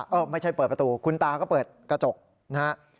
เออไม่ใช่เปิดประตูคุณตาก็เปิดกระจกนะฮะ